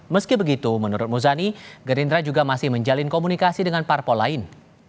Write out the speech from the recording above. meski begitu menurut muzani gerindra juga masih menjalin komunikasi dengan parpol lain